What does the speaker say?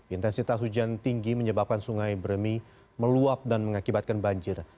intensitas hujan tinggi menyebabkan sungai beremi meluap dan mengakibatkan banjir